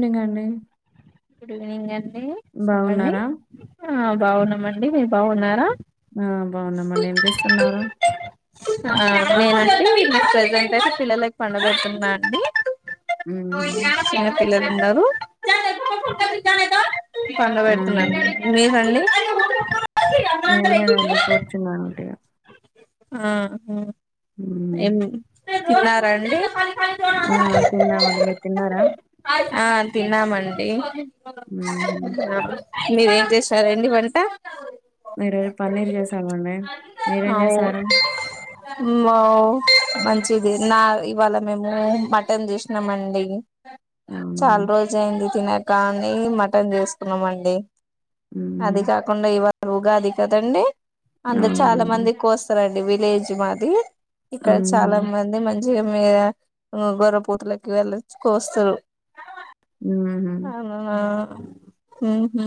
వినండి. Good evening అండి చెప్పండి ఆహ్ బాగున్నామండి మీరు బాగున్నారా! ఆహ్ బాగున్నామండి ఏం చేస్తున్నారు. ప్రజెంట్ అయితే పిల్లలకి పండపెడ్తున్న అండి హ్మ్. పిల్ పిల్లలు. అందరూ హ్మ్. పండపెడుతున్నా అండి మీరండి. ఏంలేదు అండి కూర్చున్నాను ఉట్టిగ. ఆహ్ ఉమ్. ఉమ్. ఆహ్ తిన్నరాండీ. ఆహ్ తిన్నాం అండి మీరు తిన్నారా. ఆ తిన్నామండి హుహు. మీరేం చేసారండి వంట. మేమ్ ఈరోజు పన్నీరు చేసామండి మీరేం చేసారు. ఓ మంచిది నా ఇవాళ మేము మటన్ చేసినం అండి. అవునా? చాలా రోజులైంది తినక అని మటన్ చేసుకున్నాం అండి. హుహు. అది కాకుండా ఇవాళ ఉగాది కదండి అందరు చాలా అవునండి. మంది కోస్తారండి. విలేజ్ మాది ఇక్కడ హుహు. చాలా మంది మన్. జర మీర గొర్రపోతులకి గల్లిచ్చికోస్తారు. ఉమ్ ఉహూ. ఉమ్ ఉహూ.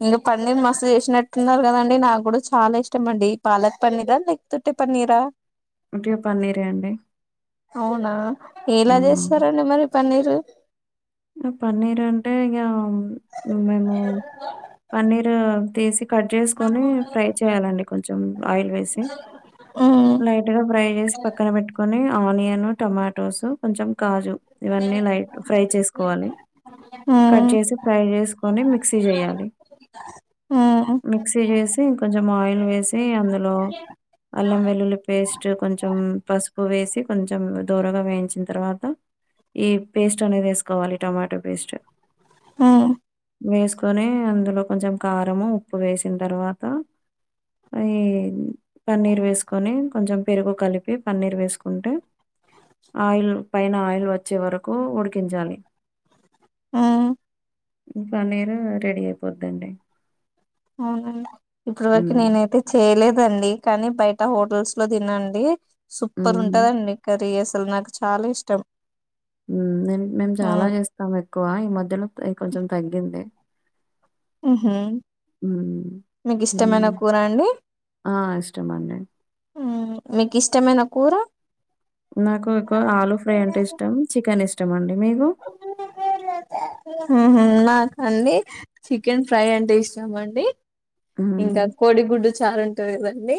నిన్న పన్నీర్ మస్తు చేసినట్టున్నారు కదండి. నాకు కూడా చాలా ఇష్టంమండి పాలక్ పన్నీర లేకపోతె. పన్నిరా. ఇంట్లొ పన్నీరే అండి. అవునా ఎలా హ్మ్. చేస్తారండి మరి పన్నీరు. ఆ! పన్నీర్ అంటే ఇగ మేము పన్నీర్ తీసి కట్ చేసుకొని ఫ్రై చేయాలండి కొంచెం ఆయిల్ వేసి. ఉ లైట్ గా ఫ్రై చేసి పక్కన పెట్టుకొని. ఆనియన్ టమాటోస్ కొంచెం కాజు ఇవన్నీ లైట్ ఫ్రై చేసు. కోవాలి ఉ కట్ చేసి ఫ్రై చేసుకొని మిక్సీ చేయాలి. ఉ మిక్సీ జేసి కొంచెం ఆయిల్ వేసి అందులో. అల్లం వెల్లుల్లి పేస్ట్ కొంచెం పసుపు. వేసి కొంచెం దోరగా వేయించిన తర్వాత ఈ పేస్ట్ అనేది వేసుకో. కోవాలి టమాటో పేస్ట్. ఉమ్. వేసుకొని అందులో కొంచెం కారము ఉప్పు వేసిన్తర్వాత. అయి పన్నీర్ వేసుకొని కొంచెం పెరుగు కలిపి పన్నీర్ వేసుకుంటే. ఆయిల్ పైన ఆయిల్ వచ్చే వరకూ ఉడికించాలి. ఆహ్. పన్నీరు రెడీ అయిపోతదండి. ఇప్పటి వరకి నేనైతే చేయలేద్. అండి కానీ బయట హోటల్స్ లో తినండి సూపర్ హ్మ్. ఉంటదండి కర్రీస్. అసలు నాకు చాలా ఇష్టం. ఉమ్ నేను మేము చాలా మ్మ్ చేస్తాం ఎక్కువ ఈ మధ్యలో ఎక్ కొంచెం తగ్గింది. ఉహు హ్మ్. మీకు ఇష్టమైన కూరా అండి. ఆహ్ ఇష్టం అండి. ఉమ్ మీకు ఇష్టమైన కూర. నాకు ఎక్కువ ఆలూ ఫ్రై అంటే ఇష్టం చికెన్ ఇష్టం అండి. ఉహూ. నాకా అండి చికెన్ ఫ్రై అంటే ఇష్టం అండి. ఇంకా హ్మ్. కోడి గుడ్డు చారు అంటారు కదండి.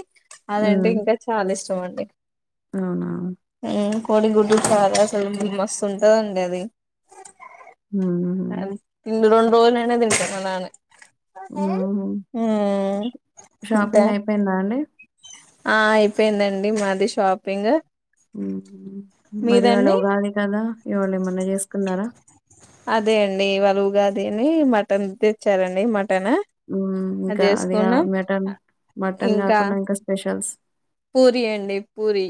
అదంటే హ్మ్. ఇంకా చాలా ఇష్టం అండి అవునా! ఉమ్. కోడి గుడ్డు చారు అసలు మస్తుంటదండి అది. అది హుహు. ఇన్ని రెండు రోజులైనాక తింటారు మా నాన్నీ. హుహు. ఉమ్ ఇంకా. షాపింగ్ అయిపోయిందా అండి? ఆహ్ అయిపోయిందండి మాది షాపింగ్. ఉమ్ మరి ఇవాళ్ళ మీదండి ఉగాది కదా ఇవాళ్ళ ఏమన్నా చేసుకున్నారా. అదే అండి ఇవాళ ఉగాది అని మటన్ తెచ్చారండి మటన్. ఉమ్ అది ఇంకా అదిగా చేసుకున్నాం మటన్ మటన్ కాకుండా ఇంకా స్పెషల్స్. పూరి అండి పూరి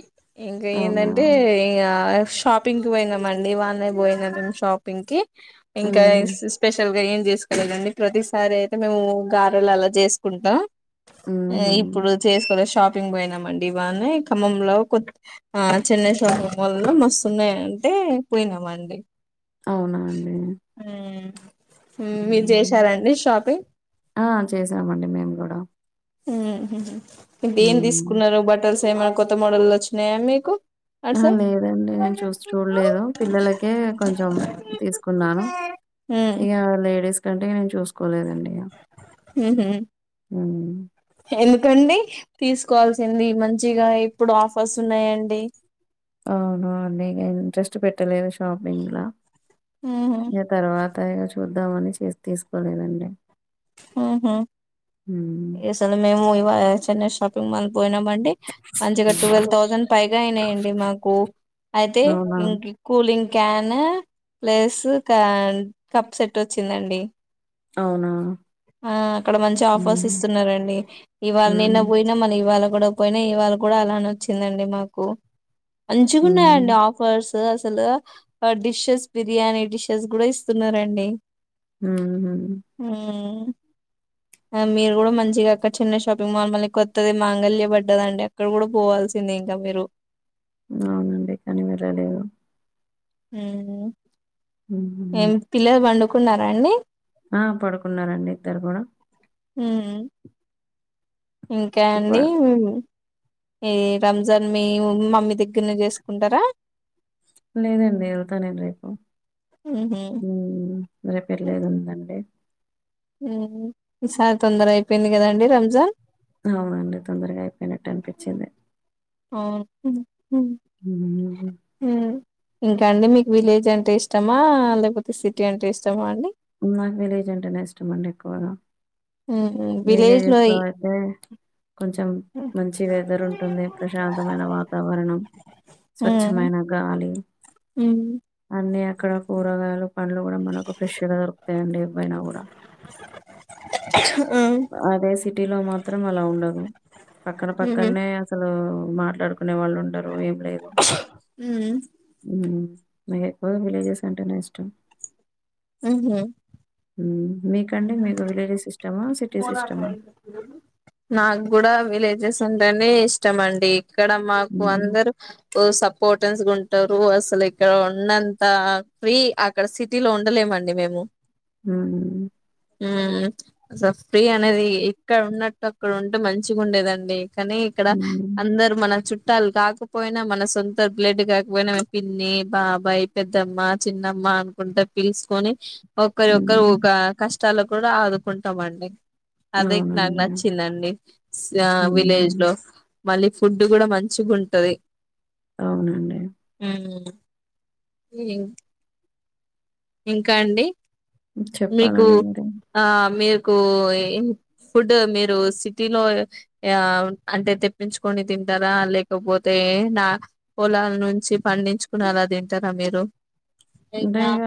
ఇంకా అవునా? ఏందంటే ఇగా షాప్. పింగ్ పోయినమండి [unintelligible] షాపింగ్కి ఇంకా ఈ హుహు. స్పెషల్గా ఎమ్. చేసుకోనేలండి ప్రతిసారి అయితే మేము గారలు అలా చేసుకుంటాం. హుహు. ఆహ్ ఇప్పుడు చేసుకోలే షాపింగ్ పోయినం. బండి బనే ఖమ్మంలో కొత్ ఆహ్ చెన్నై షాపింగ్ మాల్ లో మస్తున్నాయ్ అంటే పోయ్. నమ్మండి. అవునా అండి. ఉమ్ మీరు చేశారా అండి షాపింగ్. ఆహ్ చేసామండి మేము కూడా. ఉమ్ హుహు ఏం దెం తీసుకున్నారు బట్టల్స్ ఏమన్నా కొత్త మోడల్ వచ్చినాయా మీకు. అటు ఆహ్ సైడ్ లేదండి నేను చూసి చూడలేదు పిల్లలకే కొంచెం తీసుకున్నాను. ఇగా లేడీస్ కంటికీ నేను చూసుకోలేదండి ఇగ హ్మ్ ఎందుకండి తీసుకోవాల్సింది మంచిగా ఇప్పుడు ఆఫర్స్ ఉన్నాయండి. అవునవును అండి ఇగ ఇంట్రెస్ట్ పెట్టలేదు షాపింగ్లా ఇగ తర్వాత. పైగా చూద్దామని చేస్ తీసుకోలేదండి. హ్మ్. ఈసలా మేము ఇవా చెన్నయ్ షాప్. [unintelligible] పోయినాబండే మంచిగా ట్వెల్వ్ థౌసండ్ పైగా అయినాయండి మాకు అయితే అవునా? ఇంగి కూలింగ్ క్యాన్ ప్లేస్ కన్ కప్ సెట్ వచ్చిందండి అవునా ఆ అక్కడ మంచి ఆఫర్స్ హ్మ్. ఇస్తున్నారండి ఇవాళ నిన్న హ్మ్ బోయినా మన ఇవాళ గూడా పోయినా ఇవాళ గూడా అలానే వచ్చిందండి మాకు హ్మ్ మంచిగున్నాయండి ఆఫర్స్ అసలు డిషెస్ బిర్యానీ డిషెస్ గూడా ఇస్తున్నారండి. హ్మ్ హ్మ్ హ్మ్ ఆ మీరు గూడా మంచిగా అక్కడ చిన్న షాపింగ్ మాల్ మళ్ళి కొత్తది మాంగళ్య పడ్డదండి అక్కడ గూడా పోవాల్ సింది ఇంకా మీరు అవునండి కానీ వెళ్లలేదు హ్మ్మ్ హ్మ్. ఏం పిల్లలు పండుకున్నారా అండి. ఆ పడుకున్నారండి ఇద్దరు కూడా హ్మ్ ఇంకా ప అండి ఈ రంజాన్ మీ మమ్మీ దగ్గరనె చేసుకుంటార లేదండి ఎళ్తా నేను రేపు మ్మ్ హ్మ్ రేపు ఎళ్లేది ఉందండి. హ్మ్ ఈసారి తొందర అయిపోయింది కదండి రంజాన్ అవునండి తొందరగా అయిపోయినట్టు అనిపిచ్చింది. అవు [unintelligible] హ్మ్ ఇంకా అండి మీకు విలేజ్ అంటే ఇష్టమా లేకపోతే సిటీ అంటే ఇష్టమా అండి. నాకు విలేజ్ అంటేనే ఇష్టం అండి ఎక్కువగా ఉమ్ ఉమ్. విలేజ్ విలేజస్ లో ఈ అయితే కొంచం ఉమ్ మంచి వెదర్ ఉంటుంది ప్రశాంతమైన వాతావరణం. స్వచ్ఛమైన గాలి, హ్మ్ అన్ని అక్కడ కూరగాయలు పండ్లు గూడా మనకు [unintelligible] దొరుకుతాయండి పెయినా గూడా అ అదే సిటీలో మాత్రం అలా ఉండదు పక్కన ఉహూ. పక్కన్నే అసలు మాట్లాడుకునే వాళ్లుండరు ఏం లేదు ఉమ్. హ్మ్ నా ఎక్కువగా విలేజెస్ అంటేనే ఇష్టం. హ్మ్ హు హ్మ్. మీకండి మీకు విలేజెస్ ఇస్ నాగ్గూడా విలేజెస్ అంటేనే ఇష్టమండి. ఇక్కడ మాకు హ్మ్. అందరు ఓ సపోట్ ఉంటారు అసలు ఇక్కడ ఉన్నంత ఫ్రీ అక్కడ సిటీ లో ఉండలేమండి మేము. హ్మ్ హ్మ్ స ఫ్రీ అనేది ఇక్కడ ఉన్నట్టు అక్కడ ఉంటే మంచిగుండేదండి. కానీ ఇక్కడ హ్మ్. అందరు మన చు ట్టాల్ కాకపోయినా మన సొంత బ్లడ్ గాకపోయినా పిన్ని బాబాయ్ పెద్దమ్మ చిన్నమ్మ మ అనుకుంటే పిలుసుకొని ఒక్కరి ఒక్కరు హ్మ్. ఉకా కష్టాల్లో కూడా ఆదుకుంటామండి. అదే నాకు అవునండి. నచ్చిందండి ఆ విలేజ్ హ్మ్. లో మళ్ళీ ఫుడ్ గూడా మంచిగుంటది. అవునండి. ఇంకా అండి మీకు చెప్పాలండి మీరే. ఆ మీకు ఇ ఫుడ్ మీరు సిటీలో యా అంటే తెప్పించుకొని తింటారా లేకపోతే ఏ నా పొలాల నుంచి పండించుకునేలా తింటారా మీరు. అంటే ఇగ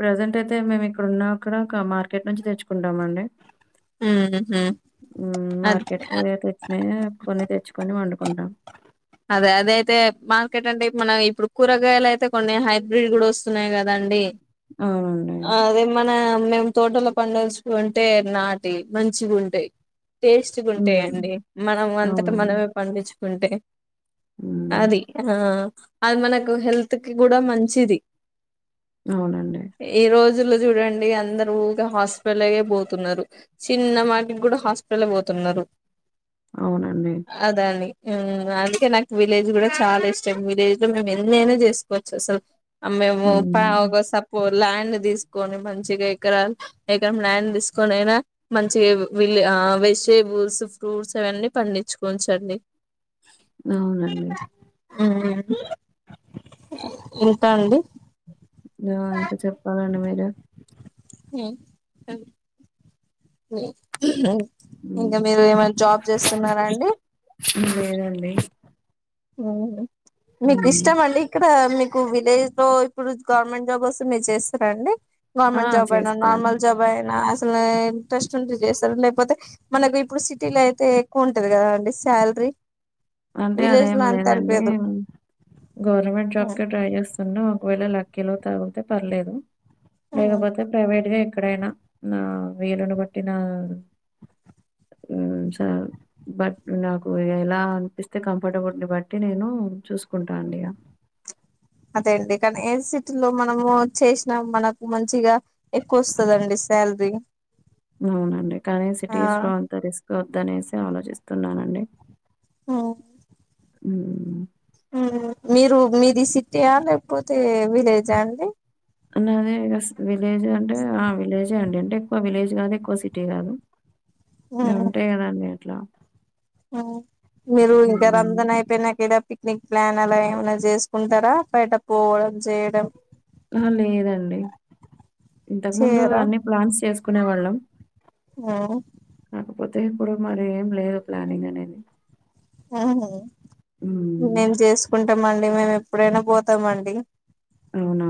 ప్రజెంట్ అయితే మేము ఇక్కడ ఉన్నా అక్కడ మార్ కెట్ నుంచి తెచ్చుకుంటాం అండి. ఉహు హ్మ్ అద్ మార్కెట్ లోయె తెచ్చినయే కొన్ని తెచ్చుకొని వండు అదే అదైతే మార్కెట్ అంటే మన ఇప్పుడు కూరగాయలు అయితే కొన్ని హైబ్రిడ్ గూడా వస్తున్నాయి కదండి. అవునండి. అదే మన మేము తోటల పండేస్తుంటే నాటి మంచిగుంటాయ్ టేస్ట్ హ్మ్. గుంటాయండి మనం అంతట అవునవును. మనమే పండిచ్చుకుంటే హ్మ్. అది ఆ అది మనకు హెల్త్ కి గూడా మంచిది. అవునండి. ఈ రోజులు జూడండి అందరు ఊకె హాస్పిటల్ గే బోతున్నారు చిన్న మాటికి గూడా హాస్పిటల్ పోతున్నారు అవునండి. అదని హ్మ్ అందుకే నాకు విలేజ్ గూడా చాలా ఇష్టం విలేజ్ లో మేము ఎన్నైనా జేసుకోచ్చు అసలు మేము పా హ్మ్. ఒగ సపో ల్యాండ్ దీసుకొని మంచిగా ఎకరా ఎకరం ల్యాండ్ దీసుకొని అయినా మంచిగా విల్ ఆ వెజిటేబుల్స్ ఫ్రూట్స్ అవన్నీ పండిచ్చుకోంచండి. అవునండి. హ్మ్ ఇంత అండి. ఆ ఇంకా చెప్పాలండి మీరు హ్మ్ హ్మ్. ఇంకా మీరు ఏమైనా జాబ్ చేస్తున్నారా అండి. లేదండి. హ్మ్ మీకు హ్మ్. ఇష్టమండి ఇక్కడా మీకు విలేజ్ లో ఇప్పుడు గవర్నమెంట్ జాబ్ వస్తే మీరు చేస్తారండి ఆ! గవర్నమెంట్ జాబ్ అయినా చేస్తాను. నార్మల్ జాబ్ అయినా ఇంట్రెస్ట్ ఉంటే చేస్తారు లేకపోతే మనకు ఇప్పుడు సిటీలో అయితే ఎక్కువ ఉంటది కదా అండి సాల్రీ అంటే అదేం లేదండి గవర్నమెంట్ జాబ్ కె ట్రై చేస్తుండు ఒకవేళ లక్కీలో తాగుళ్తే పర్లేదు లేకపోతే ప్రైవేట్ గా ఎక్కడైనా నా వీలును బట్టిన నా హ్మ్ సాల్ బట్ నాకు ఎలా ఇస్తే కంఫరటబుల్ బట్టి నేను చూసుకుంటా అండి ఇగ అదే అండి కానీ ఏ సిటీ లో మనము చేసినా మనకు మంచిగా ఎక్కువ వస్తదండి. సాల్రీ అవునండి కానీ సిటీస్ లో అంత రిస్క్ వద్దనేసి ఆలోచిస్తున్నానండి. ఓ హ్మ్ హ్మ్ మీరు మీది సిటీయా లేకపోతే విలేజా అండి. నాదే విలేజ్ అంటే ఆ విలేజే అండి అంటే ఎక్కువ విలేజ్ కాదు ఎక్కువ సిటీ కాదు ఇంగ ఉంటాయ్ కదండి అట్లా హ్మ్ మీరు ఇంకా హ్మ్. రంజాన్ అయిపోయినాక ఈడ పి నీక్ ప్లాన్ అలా ఏమన్నా జేసుకుంటారా బయట పోవడం చేయడం అహా లేదండి ఇంతకు ముందు చేయరా అన్ని ప్లాన్స్ చేసుకునే వాళ్ళం. ఆహ్. కాకపోతే ఇప్పుడు మరి ఏం లేదు ప్లానింగ్ అనేది. హ్మ్. అవునా మళ్ళీ మేము ఎప్పుడైనా బోతామండి. అవునా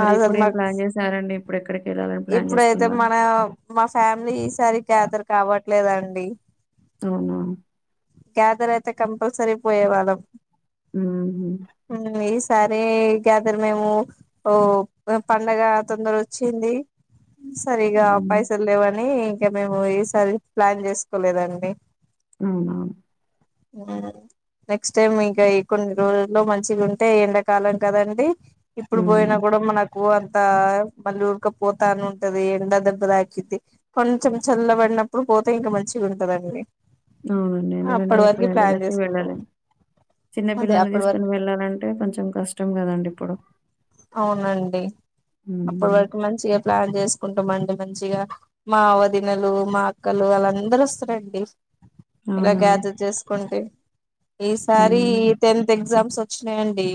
మరి ఇప్పుడేం మాకు ప్లాన్ చేశారండి ఇప్పుడేక్కడికెళ్ళాలీ. ఇప్పుడైతే మన మా ఫ్యామిలీ ఈసారి గ్యాదర్ కావట్లేదండి. ఔనా. గ్యాదర్ ఐతే కంపల్సరీ పోయేవాళ్ళం. హుహు. అవునా ఏస్. సరే గ్యాదర్ మేము ఓ పండగ తొందర ఒచ్చింది. సరిగ్గా హ్మ్. పైసల్ లేవని ఇంక మేము ఈసారి ప్లాన్ చేసుకోలేదండి. అవునా. నెక్స్ట్ టైమ్ ఇంకా ఇంకోని. రోజుల్లో మంచిగుంటే ఎండాకాలం కదండి ఇప్పుడు హ్మ్. బోయినా కూడా మనకు. ఆహ్ మళ్ళీ ఉడకపోతానుంటది ఎండ దెబ్బ తాకిద్ది కొంచెం చల్లబడినప్పుడు పొ. పోతే ఇంకా మంచిగా ఉంటదండి. అవునండి ఎందుకంటే అప్పటి ఇప్పుడు వరకు ప్లాన్ ఎండలకి చేసుకుంటాం వెళ్లలేం చిన్న అదే పిల్లల్నీ అప్పటి తీస్కో. వరకు నేను వెళ్ళాలంటే కొంచెం కష్టం కదండి ఇప్పుడు. అవునండి అప్పడి హ్మ్. వరకు మంచిగా ప్లాన్ చేస్క్. కుంటామండి మంచిగా మా వదినలు మా అక్కలు వాలందరు వస్తారండి. ఇలా అవునా? గ్యాదర్ చేసుకుంటే ఈసారి ఈ హ్మ్. Tenth exams. ఒచ్చినయండి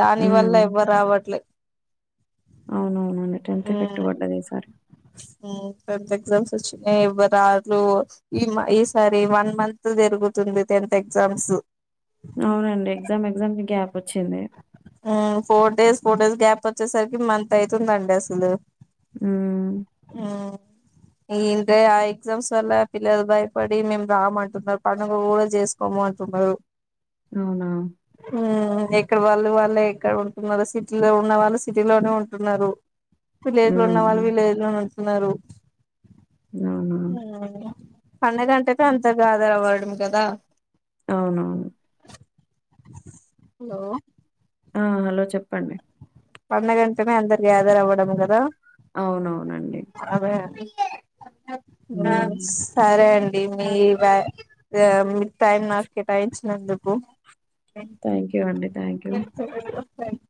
దాని వల్ల హ్మ్. ఎవ్వరావట్లే. అవునవునండి టెన్త్ ఎఫెక్ట్ వడ్డది ఈసారి. ఉమ్ టెన్త్ ఎగ్జామ్స్ వచ్చినాయి ఎవ్వరారు ఈ మ ఈసారి వన్ మంత్ జరుగుత. ఉంది టెన్త్ ఎగ్జామ్స్. అవునండి ఎగ్జామ్ ఎగ్జామ్కి గ్యాప్ వచ్చింది. ఉమ్ four days four days gap ఒచ్చేసరికి మంత్ ఐతుందండి అసలు. ఉమ్. ఈ ఇంటే ఆ ఎగ్జామ్స్ వల్ల పిల్లలు భయపడి మేము రామంటున్నారు పండుగగూడా చేసుకోము అంటు [unintelligible] ఔనా. ఉమ్ ఎక్కడ వాళ్ళు వాళ్ళే ఎక్కడ ఉంటున్నారో సిటీలో ఉన్న వాళ్ళు సిటీలోనే ఉంటున్నారు. విలేజ్ లో ఉన్న హ్మ్. వాళ్ళు విలేజ్ లోనే ఉంటున్నారు. ఉమ్. పండగ అంతాట అంతా గ్యాదర్ అవ్వడం గదా. ఔనౌను. హలో. ఆహ్ హలో చెప్పండి. పండగంటేనే అందరు గ్యాదర్ అవ్వడం గదా. ఔనౌనండి. సరే అండి. మీ వ్య ఆహ్ మీ టైం నాకు కేటాయించినందుకు. థ్యాంక్ యూ అండి. Thank you. [inaudible]